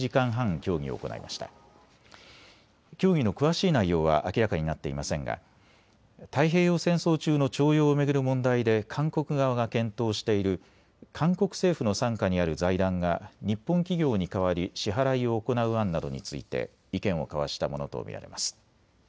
協議の詳しい内容は明らかになっていませんが太平洋戦争中の徴用を巡る問題で韓国側が検討している韓国政府の傘下にある財団が日本企業に代わり、支払いを行う案などについて意見を交わしたものと見られます。